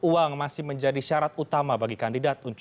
uang masih menjadi syarat utama bagi kandidat